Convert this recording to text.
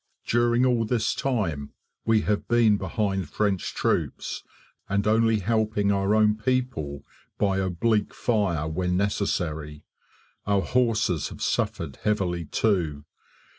During all this time, we have been behind French troops, and only helping our own people by oblique fire when necessary. Our horses have suffered heavily too.